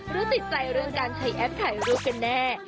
หรือติดใจเรื่องการใช้แอปถ่ายรูปกันแน่